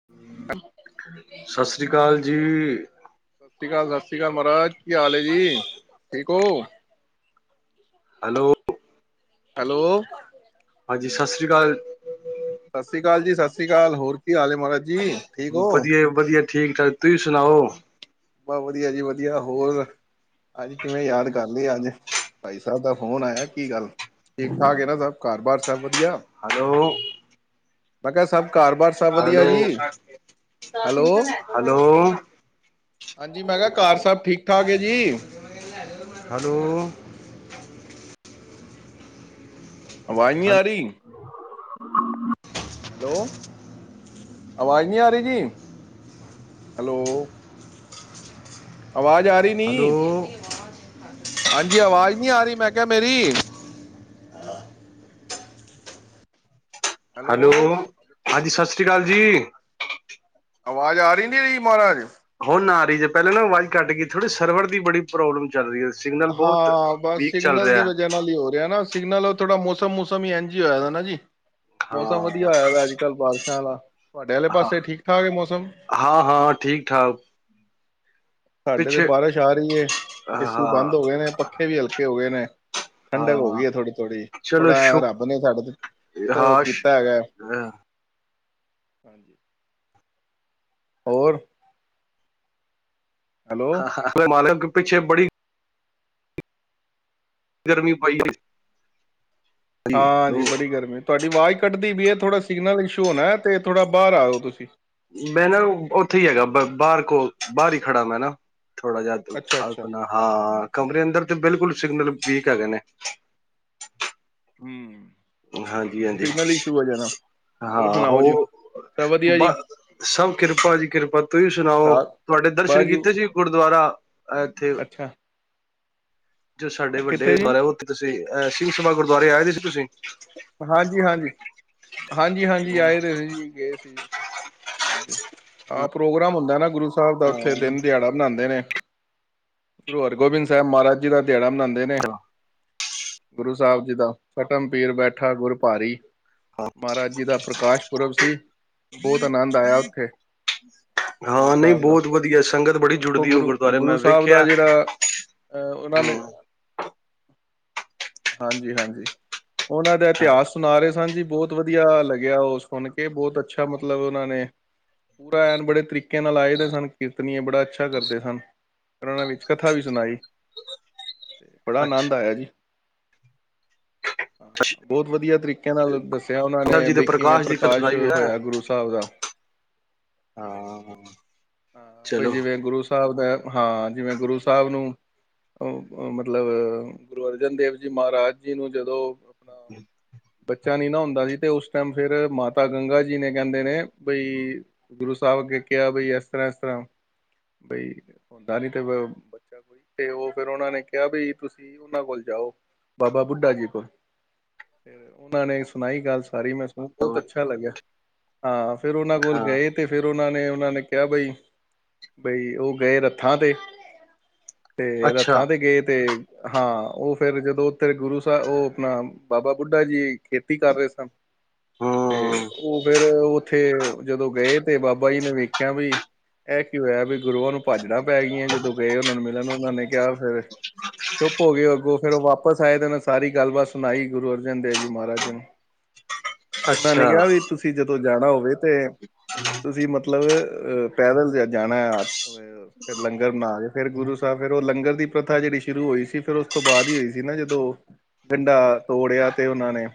[inaudible] [inaudible] ਸਤਿ ਸ੍ਰੀ ਅਕਾਲ ਜੀ। ਸਤਿ ਸ਼੍ਰੀ ਅਕਾਲ ਸਤਿ ਸ਼੍ਰੀ ਅਕਾਲ ਮਹਾਰਾਜ ਕੀ ਹਾਲ ਹੈ ਜੀ ਠੀਕ ਹੋ? ਹੈਲੋ। ਹੈਲੋ। ਹਾਂਜੀ ਸਤਿ ਸ੍ਰੀ ਅਕਾਲ। ਸਤਿ ਸ਼੍ਰੀ ਅਕਾਲ ਜੀ, ਸਤਿ ਸ਼੍ਰੀ ਅਕਾਲ ਹੋਰ ਕੀ ਹਾਲ ਏ ਮਹਾਰਾਜ ਜੀ ਠੀਕ ਹੋ? ਵਧੀਆ ਵਧੀਆ ਠੀਕ-ਠਾਕ। ਤੁਸੀਂ ਸੁਣਾਓ? ਬਸ ਵਧੀਆ ਜੀ ਵਧੀਆ ਹੋਰ ਅੱਜ ਕਿਵੇਂ ਯਾਦ ਕਰ ਲਿਆ ਅੱਜ ਭਾਈ ਸਾਹਿਬ ਦਾ ਫੋਨ ਆਇਆ ਕੀ ਗੱਲ ਠੀਕ ਠਾਕ ਹੈ ਨਾ ਸਭ ਘਰ ਬਾਹਰ ਸਭ ਵਧੀਆ? ਹੈਲੋ। ਮੈਂ ਕਿਹਾ ਸਭ ਘਰ ਬਾਹਰ ਸਭ ਵਧੀਆ ਹੈਲੋ ਜੀ ਹੈਲੋ ਹੈਲੋ। ਹੈਲੋ। ਹਾਂਜੀ ਮੈਂ ਕਿਹਾ ਘਰ ਸਭ ਠੀਕ ਠਾਕ ਹੈ ਜੀ? ਹੈਲੋ। ਅਵਾਜ ਨਹੀਂ ਹੈਲ ਆ ਰਹੀ? ਹੈਲੋ ਆਵਾਜ਼ ਨਹੀਂ ਆ ਰਹੀ ਜੀ। ਹੈਲੋ? ਆਵਾਜ਼ ਆ ਰਹੀ। ਨੀ ਹੈਲੋ। ਹਾਂਜੀ ਆਵਾਜ਼ ਨਹੀਂ ਆ ਰਹੀ ਮੈਂ ਕਿਹਾ ਮੇਰੀ? ਹੈਲੋ ਹਾਂਜੀ ਸਤਿ ਸ਼੍ਰੀ ਅਕਾਲ ਜੀ। ਆਵਾਜ਼ ਆ ਰਹੀ ਨਹੀਂ ਰਹੀ ਮਹਾਰਾਜ। ਹੁਣ ਆਹੀ ਜੇ ਪਹਿਲਾਂ ਨਾ ਆਵਾਜ਼ ਕੱਟ ਗਈ ਥੋੜ੍ਹੀ ਸਰਵਰ ਦੀ ਬੜੀ ਪ੍ਰੋਬਲਮ ਚੱਲ ਰਹੀ ਹੈ ਸਿਗਨਲ ਬਹੁਤ ਵੀਕ ਚੱਲ ਰਿਹਾ। ਇਹ ਹੋ ਰਿਹਾ ਨਾ। ਸਿਗਨਲ ਥੋੜਾ ਮੌਸਮ ਮਸਮ ਹੀ ਇੰਝ ਹੀ ਹੋਇਆ ਨਾ ਜੀ। ਹਾਂ ਮੌਸਮ ਵਧੀਆ ਹੋਇਆ ਵ ਅੱਜ ਕੱਲ੍ਹ ਬਾਰਿਸ਼ਾਂ ਵਾਲਾ ਤੁਹਾਡੇ ਆਲੇ ਹਾਂ ਪਾਸੇ ਠੀਕ ਠਾਕ ਹੈ ਮੌਸਮ। ਹਾਂ ਹਾਂ ਠੀਕ-ਠਾਕ। ਸਾਡੇ ਤੇ ਬਾਰਸ਼ ਆ ਰਈ ਏ, ਏ ਸੀ ਹਾਂ ਬੰਦ ਹੋ ਗਏ ਨੇ, ਪੱਖੇ ਵੀ ਹਲਕੇ ਹੋ ਗਏ ਨੇ। ਠੰਡਕ ਹੋ ਹਾਂ ਗਈ ਏ ਥੋੜ੍ਹੀ-ਥੋੜ੍ਹੀ, ਚਲੋ ਥੋੜਾ ਸ਼ੁਕ ਰੱਬ ਨੇ ਸਾਡੇ ਤੇ ਤ ਕੀਤਾ ਹੈਗਾ। ਹਹ। [inaudible] ਹੋਰ? ਹੈਲੋ ਔਏ ਮਾਲਕ ਪਿੱਛੇ ਬੜੀ। ਗਰਮੀ ਪਾਈ ਇਸ ਚ‌ ਹਾਂਜੀ ਬੜੀ ਗਰਮੀ, ਤੁਆਡੀ ਆਵਾਜ਼ ਘੱਟਦੀ ਪਈ ਏ, ਥੋੜ੍ਹਾ ਸਿਗਨਲ ਇਸ਼ੂ ਹੋਣਾ, ਤੇ ਥੋੜ੍ਹਾ ਬਾਹਰ ਆਓ ਤੁਸੀਂ। ਮੈਂ ਨਾ ਉਥੇ ਹੀ ਹੈਗਾ, ਬ ਬਾਹਰ ਕੋਲ, ਬਾਹਰ ਹੀ ਖੜਾ ਮੈ ਨਾ। ਥੋੜਾ ਜਆ ਦ ਅੱਛਾ [unintelligible] ਅੱਛਾ ਆਪਣਾ ਹਾਂ, ਕਮਰੇ ਅੰਦਰ ਤੇ ਬਿਲਕੁਲ ਸਿਗਨਲ ਵੀਕ ਹੈਗੇ ਨੇ। ਹੂੰ ਹਾਂਜੀ ਹਾਂਜੀ ਸਿਗਨਲ ਇਸ਼ੂ ਐ ਜਿਆਦਾ। ਹਾਂ ਹੋ। ਵਧੀਆ ਜੀ ਬ, ਸਭ ਕਿਰਪਾ ਜੀ ਕਿਰਪਾ, ਤੁਸੀਂ ਸੁਣਾਓ? ਦਾਲ ਤੁਹਾਡੇ ਦਰਸ਼ਨ ਬਸ ਜੀ ਕੀਤੇ ਸੀ ਗੁਰਦੁਆਰਾ, ਏਥੇ ਅੱਛਾ ਜੋ ਸਾਡੇ ਵੱਡੇ, ਕਿੱਥੇ ਜੀ ਮਹਰਾ ਆ ਉੱਥੇ, ਤੁਸੀ, ਅਹ ਸਿੰਘ ਸਭਾ ਗੁਰਦੁਆਰੇ ਆਏ ਸੀ ਤੁਸੀਂ? ਹਾਂਜੀ-ਹਾਂਜੀ, ਹਾਂਜੀ-ਹਾਂਜੀ, ਆਏ ਤੇ ਸੀ ਜੀ, ਗਏ ਸੀ ਜੀ। ਅੱਛਾ, ਹਾਂ ਪ੍ਰੋਗਰਾਮ ਹੁੰਦਾ ਏ ਨਾ, ਗੁਰੂ ਸਾਹਬ ਦਾ ਉੱਥੇ ਦਿਨ ਦਿਆੜਾ। ਮਨਾਣਦੇ ਨੇ, ਗੁਰੂ ਹਰਗੋਬਿੰਦ ਸਾਹਿਬ ਮਹਾਰਾਜ ਜੀ ਦਾ ਦਿਆੜਾ ਮਨਾਉਦੇ ਨੇ। ਗੁਰੂ ਸਾਹਿਬ ਜੀ ਦਾ, ਫਟਮ ਪੀਰ ਬੈਠਾ ਗੁਰ ਭਾਰੀ। ਹਾਂ ਮਹਾਰਾਜ ਜੀ ਦਾ ਪ੍ਰਕਾਸ਼ ਪੁਰਬ ਸੀ, ਬਹੁਤ ਆਨੰਦ ਆਇਆ ਉਥੇ। ਗੁਰੂ ਹਾਂ ਨਹੀਂ ਸਾਹਬ ਦਾ, ਬਹੁਤ ਵਧੀਆ ਸੰਗਤ ਬੜੀ ਇੱਕੋ ਜੁੜਦੀ ਉਹ ਗੁਰੂ, ਗੁਰਦੁਆਰੇ ਗੁਰੂ ਮੈਂ ਸਾਹਬ ਦਾ ਵੇਖਿਆ ਜੇਹੜਾ ਅਹ ਉਹਨਾ ਨੇ, ਹਮ ਹਾਂਜੀ-ਹਾਂਜੀ ਉਹਨਾ ਦੇ ਇਤਿਹਾਸ ਸੁਣਾ ਰਹੇ ਸਨ ਜੀ, ਬਹੁਤ ਵਧੀਆ ਲਗਿਆ ਉਹ ਸੁਣ ਕੇ, ਬਹੋਤ ਅਛਾ ਮਤਲਬ ਉਹਨਾਂ ਨੇ ਪੂਰਾ ਐਨ ਬੜੇ ਤਰੀਕੇ ਨਾਲ ਆਏ ਦੇ ਸਨ ਕੀਰਤਨੀਏ, ਬੜਾ ਅਛਾ ਕਰਦੇ ਸਨ। ਪਰ ਉਹਨਾ ਨੇ ਵਿਚ ਕਥਾ ਵੀ ਸੁਣਾਈ, ਬੜਾ ਅੱਛਾ ਆਨੰਦ ਆਇਆ ਜੀ। ਬਹੋਤ ਵਧੀਆ ਤਰੀਕੇ ਨਾਲ ਦੱਸਿਆ ਉਹਨਾਂ ਸਾਹਿਬ ਨੇ, ਜੀ ਦੇ ਵੀ ਕਿਵੇਂ ਦੀ ਕਥ ਪ੍ਰਕਾਸ਼ ਸੁਣਾਈ ਨਾ ਹੋਇਆ ਗੁਰੂ ਸਾਹਿਬ ਦਾ? ਹਾਂ ਹਾਂ, ਬਈ ਚਲੋ ਜਿਵੇਂ ਗੁਰੂ ਸਾਹਬ ਦਾ ਹੈ, ਹਾਂ ਜਿਵੇਂ ਗੁਰੂ ਸਾਹਿਬ ਨੂੰ ਅ-ਅ ਮਤਲਬ ਗੁਰੂ ਅਰਜਨ ਦੇਵ ਜੀ ਮਹਾਰਾਜ ਜੀ ਨੂੰ ਜਦੋ ਆਪਣਾ ਬਚ ਬਚਾ ਨੀ ਨਾ ਹੁੰਦਾ ਸੀ, ਤੇ ਉਸ ਟਾਈਮ ਫੇਰ ਮਾਤਾ ਗੰਗਾ ਜੀ ਨੇ ਕਹਿੰਦੇ ਨੇ, ਬਈ ਗੁਰੂ ਸਾਹਿਬ ਅਗੇ ਕਿਆ ਵਈ, ਏਸ ਤਰ੍ਹਾਂ ਏਸ ਤਰ੍ਹਾਂ, ਬਈ ਹੁੰਦਾ ਨੀ ਤੇ ਤੇ ਉਹ ਫੇਰ ਉਹਨਾਂ ਨੇ ਕਿਆ ਬਈ ਤੁਸੀਂ ਉਹਨਾਂ ਕੋਲ ਜਾਓ, ਬਾਬਾ ਬੁੱਢਾ ਜੀ ਕੋਲ। ਤੇ ਉਹਨਾਂ ਨੇ ਸੁਣਾਈ ਗੱਲ ਸਾਰੀ, ਮੈ ਸੁਣ ਬਹੁਤ ਅਛਾ ਲਗਿਆ। ਹਾਂ, ਫੇਰ ਉਹਨਾਂ ਕੋਲ ਗਏ ਤੇ ਫਿਰ ਉਹਨਾਂ ਨੇ, ਉਹਨਾਂ ਨੇ ਕਿਆ ਬਈ, ਬਈ ਉਹ ਗਏ ਰੱਥਾਂ ਤੇ। ਤੇ ਅੱਛਾ ਰੱਥਾਂ ਤੇ ਗਏ ਤੇ, ਹਾਂ ਉਹ ਫੇਰ ਜਦੋਂ ਉੱਥੇ ਗੁਰੂ ਸਾਹਬ, ਉਹ ਆਪਣਾ ਬਾਬਾ ਬੁੱਢਾ ਜੀ, ਖੇਤੀ ਕਰ ਰਹੇ ਸਨ। ਤੇ ਹੂੰ ਉਹ ਫੇਰ ਉੱਥੇ ਜਦੋਂ ਗਏ, ਤੇ ਬਾਬਾ ਜੀ ਨੇ ਵੇਖਿਆ ਬਈ ਏਹ ਕੀ ਹੋਇਆ? ਵੀ ਗੁਰੂਆਂ ਨੂੰ ਭਾਜੜਾਂ ਪੈ ਗਈਆਂ, ਜਦੋਂ ਗਏ ਉਹਨਾਂ ਨੂੰ ਮਿਲਣ, ਉਹਨਾਂ ਨੇ ਕਿਆ ਫਿਰ ਚੁੱਪ ਹੋ ਗਏ ਅੱਗੋਂ, ਫੇਰ ਉਹ ਵਾਪਸ ਆਏ, ਤੇ ਉਹਨੇ ਸਾਰੀ ਗੱਲਬਾਤ ਸੁਣਾਈ। ਗੁਰੂ ਅਰਜਨ ਦੇਵ ਜੀ ਮਹਾਰਾਜ ਜੀ ਨੂੰ, ਉਹਨਾਂ ਨੇ ਅੱਛਾ ਕਿਆ ਵੀ ਤੁਸੀਂ ਜਦੋਂ ਜਾਣਾ ਹੋਵੇ ਤੇ [inaudible] ਤੁਸੀਂ ਮਤਲਬ, ਅ ਪੈਦਲ ਜਾਣਾ ਫ਼ਿਰ ਲੰਗਰ ਬਣਾ ਕੇ, ਫੇਰ ਗੁਰੂ ਸਾਹਬ, ਫੇਰ ਉਹ ਲੰਗਰ ਦੀ ਪ੍ਰਥਾ ਜਿਹੜੀ ਸ਼ੁਰੂ ਹੋਈ ਸੀ ਫੇਰ ਉ ਉਸ ਤੋਂ ਬਾਅਦ ਈ ਹੋਈ ਸੀ ਨਾ ਜਦੋਂ, ਗੰਡਾ ਤੋੜਿਆ ਤੇ ਉਹਨਾਂ ਨੇ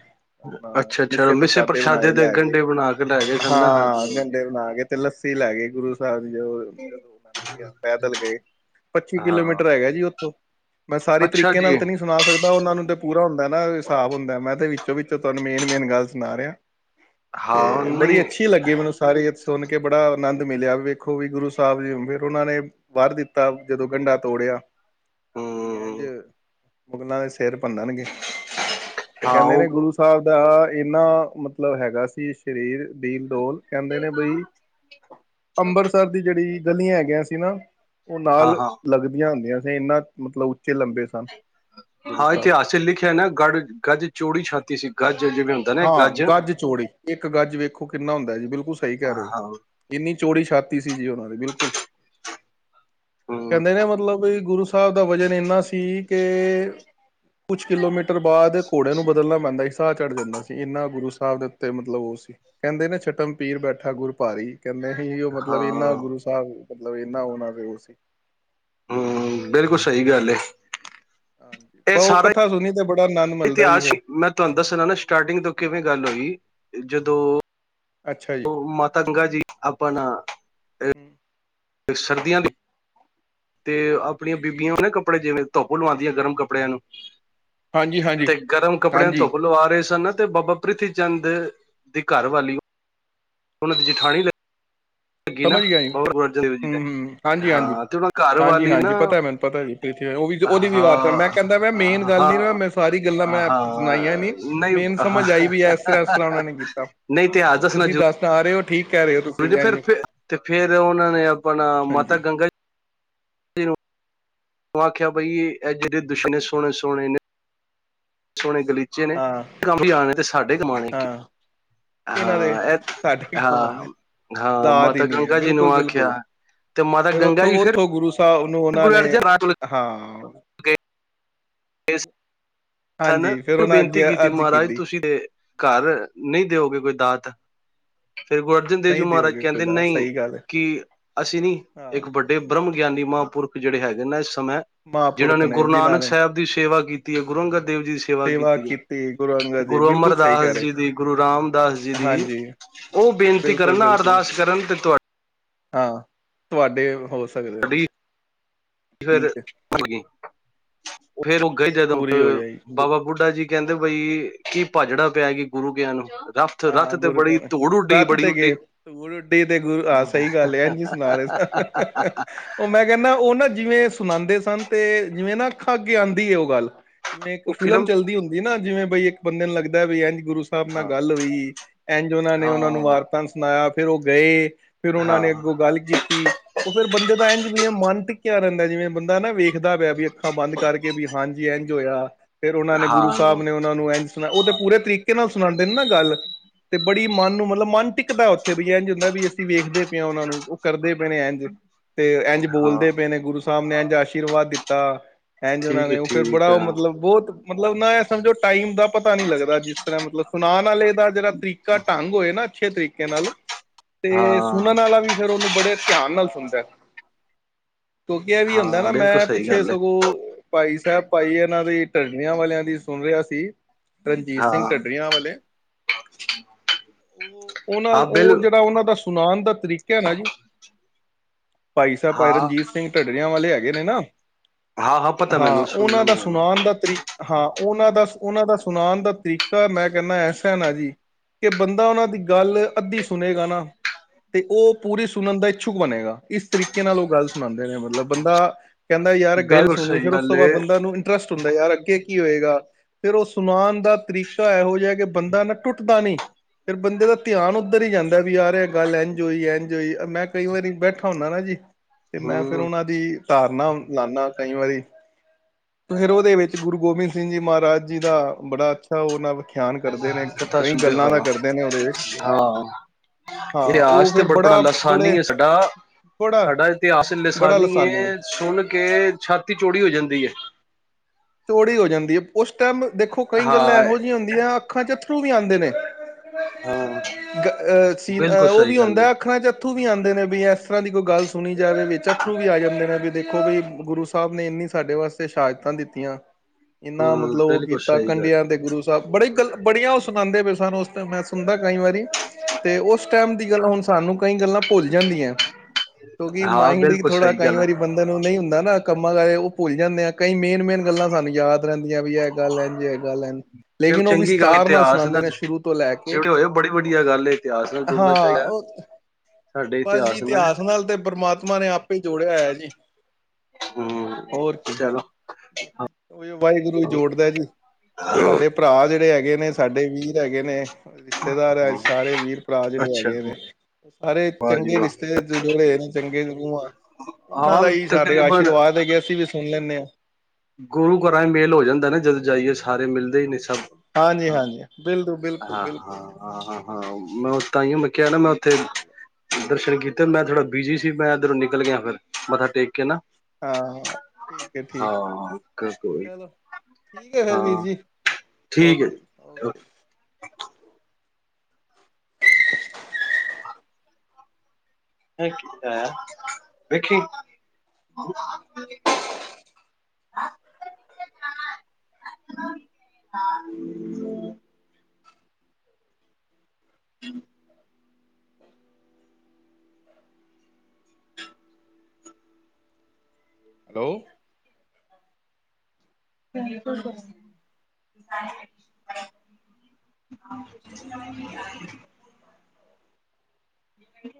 ਆਪਣਾ ਅੱਛਾ ਅੱਛਾ ਮਿੱਸੇ ਮਿਸੇ ਪ੍ਰਸ਼ਾਦੇ ਬਣਾਏ, ਦੇ ਲੈ ਗਏ, ਗੰਢੇ ਬਣਾ ਕੇ ਲੈ ਗਏ ਸਨ ਨਾ ਹਾਂਜੀ ਹਾਂ ਹਾਂਜੀ ਗੰਡੇ ਬਨਾ ਕੇ ਤੇ ਲੱਸੀ ਲੈ ਗਏ, ਗੁਰੂ ਸਾਹਬ ਜੋ ਜਦੋ ਉਹਨਾਂ ਨੇ ਕਿਆ, ਪੈਦਲ ਗਏ, ਪੱਚੀ ਹਾਂ ਕਿਲੋਮੀਟਰ ਹੈਗਾ ਜੀ ਉਥੋ। ਮੈਂ ਸਾਰੀ ਅੱਛਾ ਤਰੀਕੇ ਨਾਲ ਜੀ ਤੇ ਨੀ ਸੁਣਾ ਸਕਦਾ, ਉਹਨਾਂ ਨੂੰ ਤੇ ਪੂਰਾ ਹੁੰਦਾ ਨਾ ਹਿਸਾਬ ਹੁੰਦਾ, ਮੈ ਤੇ ਵਿਚੋ-ਵਿਚੋ ਤੁਆਨੂੰ ਮੇਨ-ਮੇਨ ਗੱਲ ਸੁਣਾ ਰਿਹਾ। ਹਾਂ ਤੇ ਬੜੀ ਨਹੀਂ ਅੱਛੀ ਲੱਗੀ ਮੈਨੂੰ ਸਾਰੀ ਸੁਣ ਕੇ ਬੜਾ ਆਨੰਦ ਮਿਲਿਆ ਵੀ ਵੇਖੋ ਵੀ ਗੁਰੂ ਸਾਹਿਬ ਜੀ ਫਿਰ ਉਹਨਾਂ ਨੇ ਵਰ ਦਿੱਤਾ ਜਦੋ ਗੰਡਾ ਤੋੜਿਆ। ਬਈ ਇੰਝ ਹੂੰ ਮੁਗਲਾਂ ਦੇ ਸਿਰ ਭੰਨਣਗੇ। ਤੇ ਹਾਂ ਕਹਿੰਦੇ ਨੇ ਉਹ ਗੁਰੂ ਸਾਹਿਬ ਦਾ ਇੰਨਾ ਮਤਲਬ ਹੈਗਾ ਸੀ ਸਰੀਰ ਦੀਨ ਡੋਲ ਕਹਿੰਦੇ ਨੇ ਬਈ, ਅੰਬਰਸਰ ਦੀ ਜਿਹੜੀ ਗਲੀਆਂ ਹੈਗੀਆਂ ਸੀ ਨਾ। ਉਹ ਹਾਂ ਨਾਲ ਹਾਂ ਲੱਗਦੀਆਂ ਹੁੰਦੀਆਂ ਸੀ ਇੰਨਾ ਮਤਲਬ ਉਚੇ ਲੰਬੇ ਸਨ ਗੁਰੂ ਹਾਂ ਸਾਹਿਬ ਇਤਿਹਾਸ ਚ ਲਿਖਿਆ ਐ ਨਾ ਗੜ ਗੱਜ ਚੋੜੀ ਛਾਤੀ ਸੀ ਗੱਜ ਜਿਵੇਂ ਹਾਂ ਗੱਜ ਚੋੜੀ ਇੱਕ ਗੱਜ ਵੇਖੋ ਕਿੰਨਾ ਹੁੰਦਾ ਜੀ ਬਿਲਕੁਲ ਸਹੀ ਕਹਿ ਰਹੇ ਹੋ। ਹਾਂ ਇੰਨੀ ਚੋੜੀ ਛਾਤੀ ਸੀ ਜੀ ਉਹਨਾਂ ਦੀ ਬਿਲਕੁਲ। ਹੂੰ ਕਹਿੰਦੇ ਨੇ ਮਤਲਬ ਵੀ ਗੁਰੂ ਸਾਹਿਬ ਦਾ ਵਜ਼ਨ ਇੰਨਾ ਸੀ। ਕਿ ਕੁਛ ਕਿਲੋਮੀਟਰ ਬਾਅਦ ਘੋੜੇ ਨੂੰ ਬਦਲਣਾ ਪੈਂਦਾ ਸੀ। ਸਾਹ ਚੜ੍ਹ ਜਾਂਦਾ ਸੀ। ਤੇ ਇੰਨਾ ਗੁਰੂ ਸਾਹਿਬ ਦੇ ਉੱਤੇ ਮਤਲਬ ਉਹ ਸੀ ਕਹਿੰਦੇ ਨੇ ਛਟਮ ਪੀਰ ਬੈਠਾ ਗੁਰ ਭਾਰੀ। ਕਹਿੰਦੇ ਸੀ ਉਹ ਹਾਂ ਮਤਲਬ ਇੰਨਾ ਗੁਰੂ ਸਾਹਿਬ ਮਤਲਬ ਇੰਨਾ ਉਹਨਾਂ ਦਾ ਉਹ ਸੀ। ਹੂੰ ਬਿਲਕੁਲ ਸਹੀ ਗੱਲ ਹੈ। ਹਾਂਜੀ ਬਸ ਉਹ ਕਥਾ ਸੁਣੀ ਤੇ ਬੜਾ ਅਨੰਦ ਮਿਲਦਾ ਜੀ ਇਤਿਹਾਸ ਫਿਰ। ਮੈਂ ਤੁਹਾਨੂੰ ਦੱਸਦਾ ਨਾ ਸਟਾਰਟਿੰਗ ਤੋਂ ਕਿਵੇਂ ਗੱਲ ਹੋਈ ਜਦੋਂ ਅੱਛਾ ਜੀ ਉਹ ਮਾਤਾ ਗੰਗਾ ਜੀ ਆਪਣਾ ਹੂੰ। ਸਰਦੀਆਂ ਦੀ ਤੇ ਆਪਣੀਆਂ ਬੀਬੀਆਂ ਨਾ ਕੱਪੜੇ ਜਿਵੇਂ ਧੁੱਪ ਲਵਾਉਦੀਆਂ ਗਰਮ ਕੱਪੜਿਆਂ ਨੂੰ। ਹਾਂਜੀ ਹਾਂਜੀ ਤੇ ਗਰਮ ਕੱਪੜਿਆਂ ਨੂੰ ਹਾਂਜੀ ਧੁੱਪ ਲਵਾ ਰਹੇ ਸਨ ਤੇ ਬਾਬਾ ਪ੍ਰਿਥੀ ਚੰਦ ਦੀ ਘਰਵਾਲੀ ਉਹਨਾਂ ਦੀ ਜਠਾਣੀ ਲੱਗੀ ਨਾ ਸਮਝ ਗਿਆ ਜੀ। ਬਾਬਾ ਗੁਰੂ ਅਰਜਨ ਦੇਵ ਜੀ ਦੇ ਹੂੰ ਹੂੰ ਹਾਂਜੀ ਹਾਂਜੀ। ਹਾਂ ਤੇ ਉਹਨਾਂ ਘਰ ਹਾਂਜੀ ਵਾਲੀ ਨਾ ਹਾਂਜੀ ਪਤਾ ਮੈਨੂੰ ਪਤਾ ਐ ਜੀ। ਤੇ ਫੇਰ ਉਹ ਵੀ ਉਹਦੀ ਵੀ ਆਵਾਤ ਮੈਂ ਹਾਂ ਕਹਿੰਦਾ ਮੈਂ ਮੇਨ ਗੱਲ ਹਾਂ ਨਹੀਂ ਮੈਂ ਮੈਂ ਸਾਰੀ ਗੱਲਾਂ ਮੈਂ ਆਪ ਸੁਣਾਈਆਂ ਨਹੀਂ। ਮੇਨ ਸਮਝ ਆਈ ਵੀ ਹੈ। ਇਸ ਤਰਾਂ ਇਸ ਤਰਾਂ ਉਹਨਾਂ ਨੇ ਕੀਤਾ। ਨਹੀਂ ਇਤਿਹਾਸ ਦੱਸਣਾ ਤੁਸੀਂ ਦੱਸ ਰਹੇ ਹੋ ਠੀਕ ਕਹਿ ਰਹੇ ਹੋ। ਤੁਸੀਂ ਵੀ ਫਿਰ ਹਾਂਜੀ ਤੇ ਫਿਰ ਉਹਨਾਂ ਨੇ ਆਪਣਾ ਮਾਤਾ ਹਾਂਜੀ ਗੰਗਾ ਜੀ ਨੂੰ ਉਹ ਆਖਿਆ ਬਈ ਇਹ ਜਿਹੜੇ ਬਿਸਤਰੇ ਸੋਹਣੇ ਸੋਹਣੇ ਨੇ। ਸੋਹਣੇ ਗਲੀਚੇ ਨੇ ਹਾਂ ਕੰਮ ਵੀ ਆਉਣੇ ਤੇ ਸਾਡੇ ਕੰਮ ਆਉਣੇ। ਹਾਂ ਇਹਨਾਂ ਦੇ ਹਾਂ ਇਹ, ਸਾਡੇ ਕੰਮਾਂ ਨੇ ਹਾਂ, ਹਾਂ ਔਲਾਦ ਹੀ ਮਾਤਾ ਨਹੀਂ ਹੈ ਗੰਗਾ ਜੀ ਨੂੰ ਬਿਲਕੁਲ ਬਿਲਕੁਲ ਆਖਿਆ। ਤੇ ਮਾਤਾ ਗੰਗਾ ਜੀ ਫਿਰ ਤਾਂ ਉਹਨੂੰ ਉਹਨਾਂ ਗੁਰੂ ਨੇ ਅਰਜਨ ਦੇਵ ਕੋਲ ਹਾਂ। ਜ? ਸਾਨੇ, ਹੁਣ ਬੇਨਤੀ ਕੀਤੀ ਮਹਾਰਾਜ ਤੁਸੀਂ ਦੇ ਘਰ ਨਹੀਂ ਦਿਓਗੇ ਕੋਈ ਦਾਤ? ਫਿਰ ਗੁਰੂ ਅਰਜਨ ਦੇਵ ਜੀ ਨਹੀਂ ਮਹਾਰਾਜ ਦਿਓਗੇ ਕਹਿੰਦੇ ਖੁਦਾ ਨਹੀਂ ਸਹੀ ਗੱਲ ਹੈ ਕਿ ਅਸੀਂ ਨਹੀਂ ਇੱਕ ਹਾਂ, ਵੱਡਾ ਤੇ ਬ੍ਰਹਮ ਗਿਆਨੀ ਮਹਾਂਪੁਰਖ ਜਿਹੜੇ ਹੈਗੇ ਨੇ ਇਸ ਸਮੇਂ ਜਿਹਨਾਂ ਮਹਾਂਪੁਰਖ ਨੇ ਗੁਰੂ ਜਿਨ੍ਹਾਂ ਨਾਨਕ ਨੇ ਸਾਹਿਬ ਦੀ ਸੇਵਾ ਕੀਤੀ ਹੈ। ਗੁਰੂ ਅੰਗਦ ਦੇਵ ਜੀ ਦੀ ਸੇਵਾ ਕੀਤੀ ਹੈ। ਗੁਰੂ ਅੰਗਦ ਦੇਵ ਗੁਰੂ ਬਿਲਕੁਲ ਸਹੀ ਅਮਰਦਾਸ ਕਹਿ ਰਹੇ। ਜੀ ਦੀ, ਗੁਰੂ ਰਾਮਦਾਸ ਜੀ ਦੀ ਹਾਂਜੀ, ਉਹ ਬੇਨਤੀ ਕਰਨ ਨਾ ਬਿਲਕੁਲ-ਬਿਲਕੁਲ ਅਰਦਾਸ ਕਰਨ ਤੇ ਤੁਹਾ ਹਾਂ, ਤੁਹਾਡੇ ਹੋ ਸਕਦੇ ਨੇ। ਫੇਰ ਠੀਕ ਹੈ, [inaudible] ਫੇਰ ਉਹ ਗਈ ਜਦੋਂ ਪੂਰੀ ਹੋ ਜਾਏਗੀ। ਬਾਬਾ ਬੁੱਢਾ ਜੀ ਕਹਿਦੇ ਬਈ ਕੀ ਭਾਜੜਾ ਪੈ ਗਈਆਂ ਗੁਰੂ ਦਿਆ ਨੂੰ ਰਥ ਰਥ ਹਾਂ ਤੇ ਗੁਰੂ ਬੜੀ ਕਹਿਣਾ ਧੂੜ ਉੱਡੀ ਰੱਥ ਬੜੀ ਤੇ ਗਏ ਉੱਡੀ [unintelligible] ਤੇ ਗੁਰੂ ਆਹ ਸਹੀ ਗੱਲ ਹੈ। ਇੰਜ ਹੀ ਸੁਣਾ ਰਹੇ ਸਨ। ਅਅਅ। ਉਹ ਮੈਂ ਕਹਿੰਦਾ ਉਹ ਨਾ ਜਿਵੇਂ ਸੁਣਾਉਂਦੇ ਸਨ ਤੇ ਜਿਵੇਂ ਨਾ ਅੱਖਾਂ ਅੱਗੇ ਆਉਂਦੀ ਹੈ ਉਹ ਗੱਲ। ਜਿਵੇਂ ਇੱਕ ਫਿਲਮ ਚਲਦੀ ਹੁੰਦੀ ਨਾ ਜਿਵੇਂ ਬਈ ਇੱਕ ਬੰਦੇ ਨੂੰ ਲੱਗਦਾ ਵੀ ਇੰਝ ਗੁਰੂ ਸਾਹਿਬ ਨਾਲ ਹਾਂ ਗੱਲ ਹੋਈ ਇੰਝ ਉਹਨਾਂ ਨੇ ਉਹਨਾਂ ਨੂੰ ਹਾਂ ਵਾਰਤਾਣ ਸੁਣਾਇਆ ਫੇਰ ਉਹ ਗਏ ਫੇਰ ਉਹਨਾਂ ਹਾਂ ਨੇ ਅੱਗੋਂ ਗੱਲ ਕੀ ਤੀ ਉਹ ਫੇਰ ਬੰਦੇ ਤਾਂ ਐ ਜਿਵੇਂ ਮਨ ਟਿਕਿਆ ਰਹਿੰਦਾ ਜਿਵੇਂ ਬੰਦਾ ਨਾ ਵੇਖਦਾ ਪਿਆ ਵੀ ਅੱਖਾਂ ਬੰਦ ਕਰਕੇ ਵੀ ਹਾਂਜੀ ਇੰਝ ਹੋਇਆ। ਫੇਰ ਉਹਨਾਂ ਨੇ ਗੁਰੂ ਹਾਂ ਸਾਹਿਬ ਨੇ ਉਹਨਾਂ ਨੂੰ ਇੰਝ ਉਹ ਤੇ ਪੂਰੇ ਤਰੀਕੇ ਨਾਲ ਸੁਣਾਉਂਦੇ ਨੇ ਨਾ ਗੱਲ ਤੇ ਬੜੀ। ਕੀ ਮਨ ਨੂੰ ਮਤਲਬ ਮਨ ਟਿਕਦਾ ਉੱਥੇ ਵੀ ਇਜ ਹੁੰਦਾ ਵੀ ਅਸੀਂ ਵੇਖਦੇ ਪਏ ਆ ਉਹਨਾਂ ਨੂੰ। ਕਰਦੇ ਪਏ ਨੇ ਇਝ ਤੇ ਇਝ ਹਾਂ ਬੋਲਦੇ ਪਏ ਨੇ ਗੁਰੂ ਸਾਹਿਬ ਨੇ ਇਝ ਆਸ਼ੀਰਵਾਦ ਦਿਤਾ ਐਝ ਉਹਨਾਂ ਠੀਕ ਹੈ ਨੇ ਉਹ ਫੇਰ ਠੀਕ ਬੜਾ ਉਹ ਹੈ ਮਤਲਬ ਬਹੁਤ। ਮਤਲਬ ਨਾ ਇਹ ਸਮਝੋ ਟਾਈਮ ਦਾ ਪਤਾ ਨੀ ਲੱਗਦਾ ਜਿਸ ਤਰ੍ਹਾਂ ਮਤਲਬ ਸੁਨਾਣ ਵਾਲੇ- ਦਾ ਜਿਹੜਾ ਤਰੀਕਾ ਢੰਗ ਹੋਏ ਨਾ ਅੱਛੇ ਤਰੀਕੇ ਨਾਲ ਤੇ ਹਾਂ ਸੁਣਨ ਵਾਲਾ ਵੀ ਫੇਰ ਉਹਨੂੰ ਬੜੇ। ਧਿਆਨ ਨਾਲ ਸੁਣਦਾ ਕਿਉਂਕਿ ਇਹ ਵੀ ਹੁੰਦਾ ਹਾਂ ਨਾ ਬਿਲਕੁਲ ਮੈਂ ਸਹੀ ਪਿੱਛੇ ਗੱਲ ਹੈ ਸਗੋਂ ਭਾਈ ਸਾਹਿਬ ਭਾਈ ਇਹਨਾਂ ਦੀ ਟੱਡੀਆਂ ਵਾਲਿਆਂ ਦੀ ਸੁਣ ਰਿਹਾ ਸੀ ਰਣਜੀਤ ਸਿੰਘ ਟੱ ਰਣਜੀਤ ਸਿੰਘ ਹਾਂ ਢੱਡਰੀਆਂ ਵਾਲੇ। ਉਹ ਉਹਨਾਂ ਹਾਂ ਉਹ ਬਿਲ ਜਿਹੜਾ ਉਹਨਾਂ ਦਾ ਸੁਣਾਉਣ ਦਾ ਤਰੀਕਾ ਨਾ ਜੀ ਭਾਈ ਸਾਹਿਬ ਭਾਈ ਹਾਂ ਰਣਜੀਤ ਸਿੰਘ ਢੱਡਰਿਆਂ ਵਾਲੇ ਹੈਗੇ ਨੇ ਨਾ ਹਾਂ ਪਤਾ ਹਾਂ ਮੈਨੂੰ ਸੁਣਨਾ ਉਹਨਾਂ ਦਾ ਮੈਨੂੰ ਸੁਣਾਉਣ ਦਾ ਤਰੀਕਾ ਹਾਂ ਉਹਨਾਂ ਦਾ ਉਹਨਾਂ ਦਾ ਸੁਣਾਉਣ ਦਾ ਤਰੀਕਾ ਮੈਂ ਕਹਿੰਦਾ ਐਸਾ ਨਾ ਜੀ ਕਿ ਬੰਦਾ ਉਹਨਾਂ ਦੀ ਗੱਲ ਅੱਧੀ ਸੁਣੇਗਾ ਨਾ ਤੇ ਉਹ ਪੂਰੀ ਸੁਣਨ ਦਾ ਇੱਛੁਕ ਬਣੇਗਾ, ਇਸ ਤ। ਰੀਕੇ ਨਾਲ ਉਹ ਗੱਲ ਸੁਣਾਉਂਦੇ ਨੇ ਮਤਲਬ ਬੰਦਾ ਕਹਿੰਦਾ ਯਾਰ ਗੱਲ ਬਿਲਕੁਲ ਸੁਣੀ ਸਹੀ ਫਿਰ ਉਸ ਗੱਲ ਤੋਂ ਬਾਅਦ ਹੈ ਬੰਦਾ ਨੂੰ ਇਸਟ ਹੁੰਦਾ ਯਾਰ ਅੱਗੇ ਕੀ ਹੋਏਗਾ ਫ਼ੇਰ ਉਹ ਸੁਣਾਉਣ ਦਾ ਤਰੀਕਾ ਇਹੋ ਜਿਹਾ ਕਿ ਬੰਦਾ ਨਾ ਟੁੱਟ ਤਾਂ ਨਹੀਂ ਫਿਰ ਬੰਦੇ ਦਾ ਧਿਆਨ ਉੱਧਰ ਹੀ ਜਾਂਦਾ ਵੀ ਯਾਰ ਗੱਲ ਇੰਝ ਹੋਈ ਇੰਝ ਹੋਈ ਮੈਂ ਕਈ ਵਾਰੀ ਬੈਠਾ ਖਾਉਦਾ ਨਾ ਜੀ ਤੇ ਮੈਂ ਫੇਿਰ ਹਮ ਉਹਨਾ ਦੀ ਤਾਰਨਾ ਲਾਦਾ ਕਈ ਵਾਰੀ ਫਿਰ ਉਹਦੇ ਵਿੱਚ ਗੁਰੂ ਗੋਬਿੰਦ ਸਿੰਘ ਜੀ ਮਹਾਰਾਜ ਜੀ ਦਾ ਬੜਾ ਅੱਛਾ ਉਹਨਾਂ ਵ। ਕਥਾ ਸੁਣਦੇ ਨੇ ਉਹਦੇ ਵਿੱਚ ਆਂ ਹਾਂ ਹਾਂ ਉਹ ਇਤਿਹਾਸ ਤੇ ਫਿਰ ਬੜਾ ਬੜੇ ਲਾਸਾਨੀ ਹ ਸਾਡਾ। ਬੜਾ ਸਾਡਾ ਇਤਿਹਾਸ ਬੜਾ ਲਸਾਨੀ ਹੈ ਸੁਣ ਕੇ ਛਾਤੀ ਚੋੜੀ ਹੋ ਜਾਂਦੀ ਹੈ ਚੋੜੀ ਹੋ ਜਾਂਦੀ ਹੈ ਉਸ ਟਾਈਮ ਦੇਖੋ ਕਈ ਗੱਲਾਂ ਹਾਂ, ਇਹੋ ਜਿਹੀਆਂ ਹੁੰਦੀਆਂ ਅੱਖਾਂ ਚ ਅੱਥਰੂ ਵੀ ਆਉਂਦੇ ਨੇ ਹਾਂ ਅਹ ਸੀ ਬਿਲਕੁਲ ਉਹ ਵੀ ਸਹੀ ਗੱਲ ਹੈ। ਹੁੰਦਾ ਆਖਣਾ ਚ ਅਥਰੂ ਵੀ ਆਉਦੇ ਨੇ ਵੀ ਇਸ ਤਰ੍ਹਾਂ ਦੀ ਕੋਈ ਗੱਲ ਸੁਣੀ ਜਾਵੇ ਵੀ ਅਥਰੂ ਵੀ ਆ ਜਾਂਦੇ ਨੇ ਵੀ ਦੇਖੋ ਵੀ ਗੁਰੂ ਸਾਹਿਬ ਨੇ ਇੰਨੀ ਸਾਡੇ ਵਾਸਤੇ ਸ਼ਹਾਦਤਾਂ ਦਿੱਤੀਆਂ ਇੰਨਾ ਹੂੰ, ਮਤਲਬ ਉਹ ਬਿਲਕੁਲ ਕੀਤਾ ਸਹੀ ਗੱਲ ਕੰਡਿਆਂ ਦੇ ਗੁਰੂ ਬੜੀ ਗੱਲ ਬੜੀਆਂ ਉਹ ਸੁਣਉਂਦੇ ਪਏ ਸਾਨੂੰ ਉਸ ਟ ਮੈਂ ਸੁਣਦਾ ਕਈ ਵਾਰੀ ਤੇ ਉਸ ਟਾਈਮ ਦੀ ਗੱਲ ਹੁਣ ਸਾਨੂੰ ਕਈ ਗੱਲਾਂ ਭੁੱਲ ਜਾਂਦੀ ਹੈ ਕਿਉਂਕਿ ਹਾਂ ਮਾਇੰਡ ਬਿਲਕੁਲ ਥੋੜਾ ਸਹੀ ਕਈ ਗੱਲ ਹੈ। ਵਾਰੀ ਬੰਦੇ ਨੂੰ ਨਹੀਂ ਹੁੰਦਾ ਨਾ ਕੰਮਾਂ ਕਾਰ ਉਹ ਭੁੱਲ ਜਾਂਦੇ ਆ ਕਈ ਮੇਨ ਮੇਨ ਗੱਲਾਂ ਸਾਨੂੰ ਯਾਦ ਰਹਿੰਦੀਆਂ ਵੀ ਇਹ ਗੱਲ ਹੈ, ਜੇ ਇਹ ਗੱਲ ਹੈ। ਚਲ ਲੇਕਿਨ ਉਹ ਚੰਗੀ ਗੱਲ ਵਿਸਥਾਰ ਨਾਲ ਇਤਿਹਾਸ ਸੁਣਾਉਂਦੇ ਨੇ ਸ਼ੁਰੂ ਤੋਂ ਲੈ ਕੇ ਜੁੜੇ ਹੋਏ ਬੜੀ ਵਧੀਆ ਗੱਲ ਹੈ ਇਤਿਹਾਸ ਨਾਲ ਜੁੜਨਾ ਹਾਂ ਚਾਹੀਦਾ। ਉਹ ਬਸ ਜੀ ਇਤਿਹਾਸ ਨਾਲ ਤੇ ਪ੍ਰਮਾਤਮਾ ਨੇ ਆਪੇ ਜੋੜਿਆ ਹੈ ਜੀ। ਹਮ ਚਲੋ ਬੱਸ ਜੀ ਉ ਵਾਹਿਗੁਰੂ ਜੋੜਦਾ ਜੀ ਸਾਡੇ ਭਰਾ ਜਿਹੜੇ ਹੈਗੇ ਨੇ ਸਾਡੇ ਵੀਰ ਹੈਗੇ ਨੇ ਰਿਸ਼ਤੇਦਾਰ ਹੈ ਸਾਰੇ ਵੀਰ ਭਰਾ ਜਿਹੜੇ ਅੱਛਾ ਹੈਗੇ ਨੇ ਸਾਰੇ ਵਾਹ ਜੀ ਚੰਗੇ ਵਾਹ ਰਿਸ਼ਤੇ ਜੁੜੇ ਹੋ ਰਏ ਨੇ ਚੰਗੇ ਰੂਹਾਂ ਆ ਉਹਨਾਂ ਹਾਂ ਦਾ ਹੀ ਸਾਡੇ ਤਕਰੀਬਨ ਆਸ਼ੀਰਵਾਦ ਹੈਗੇ ਅਸੀਂ ਵੀ ਸੁਣ ਲੈਂਦੇ ਹਾਂ ਗੁਰੂ ਘਰਾਂ ਚ ਮੇਲ ਹੋ, ਜਾਂਦਾ ਨਾ ਜਦੋਂ ਜਾਈਏ ਸਾਰੇ ਮਿਲਦੇ ਹੀ ਨੇ ਸਭ। ਹਾਂਜੀ- ਹਾਂ ਹਾਂਜੀ, ਬਿੱਲਕੁਲ -ਬਿੱਲਕੁਲ- ਬਿੱਲਕੁਲ ਜੀ। ਹਾਂ ਮੈਂ ਤਾਂ ਹੀ ਮੈਂ ਕਿਹਾ ਨਾ ਮੈਂ ਉੱਥੇ ਦਰਸ਼ਨ ਕੀਤੇ ਮੈਂ ਥੋੜਾ ਬਿਜੀ ਹਾਂ ਸੀ ਮੈਂ ਇਧਰੋਂ ਨਿਕਲ ਗਿਆ ਫਿਰ ਮੱਥਾ ਟੇਕ ਕੇ ਨਾ ਹਾਂ ਠੀਕ ਹੈ ਠੀਕ ਹੈ। ਹਾਂ ਕੋਈ ਚਲੋ ਠੀਕ ਹੈ ਫੇਰ ਵੀਰ ਹਾਂ ਜੀ ਠੀਕ ਓਕੇ ਓਕੇ ਹੈ ਮ ਕੀ ਆ ਵੇਖੀ [inaudible] ਸਤਨਾਮ ਵਾਹਿਗੂਰੁ- ਸਤਨਾਮ- ਵਾਹਿਗੁਰੂ। [inaudible] ਹੈਲੋ ਨੀ [inaudible] [inaudible]